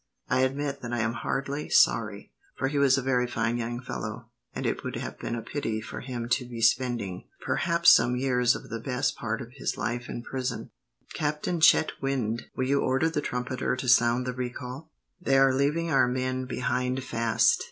I admit that I am hardly sorry, for he was a very fine young fellow, and it would have been a pity for him to be spending, perhaps some years of the best part of his life, in prison. "Captain Chetwynde, will you order the trumpeter to sound the recall? They are leaving our men behind fast.